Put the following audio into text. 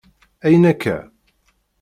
Ayyen akka!?